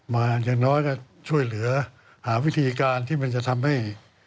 อย่างน้อยก็ช่วยเหลือหาวิธีการที่มันจะทำให้